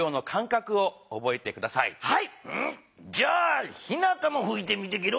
自分なりにねじゃあひなたもふいてみてゲロ。